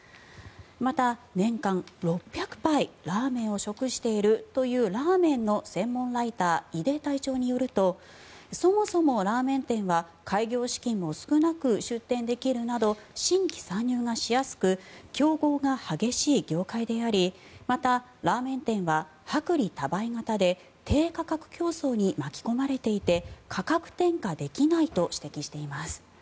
また、年間６００杯ラーメンを食しているというラーメンの専門ライター井手隊長によるとそもそもラーメン店は開業資金も少なく出店できるなど新規参入がしやすく競合が激しい業界でありまた、ラーメン店は薄利多売型で低価格競争に巻き込まれていて価格転嫁できないと指摘しています。